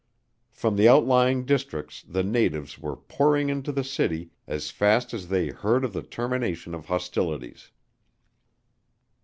From the outlying districts the natives were pouring into the city as fast as they heard of the termination of hostilities.